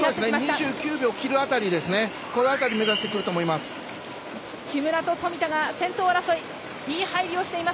２９秒切る辺り、この辺り目指してくると思います。